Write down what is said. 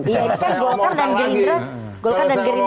ya itu kan golkar dan gerindra